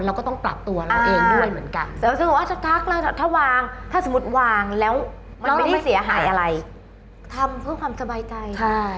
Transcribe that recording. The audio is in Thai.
เราก็ต้องปรับตัวเราเองด้วยเหมือนกันถ้าสมมุติวางแล้วมันไม่ได้เสียหายอะไรทำเพื่อความสบายใจ